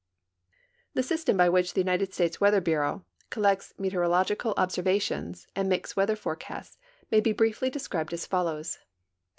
The system liy which the United States Weather Bureau col lects meteorological observations and makes weather forecasts may be briefly described as follows.